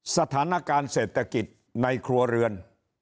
สถานการณ์เศรษฐกิจในครัวเรือน